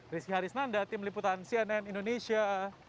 rizky harisnanda tim liputan cnn indonesia